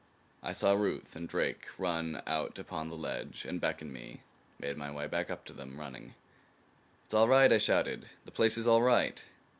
I saw Ruth and Drake run out upon the ledge and beckon me; made my way back to them, running. "It's all right," I shouted. "The place is all right."